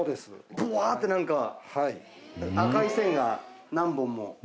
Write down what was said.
ぶわってなんか赤い線が何本も。